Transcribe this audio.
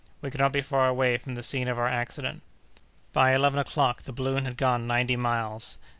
We cannot be far away from the scene of our accident." By eleven o'clock the balloon had gone ninety miles.